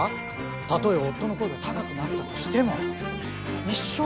たとえ夫の声が高くなったとしても一生添い遂げる。